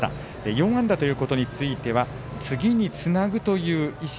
４安打ということについては次につなぐという意識。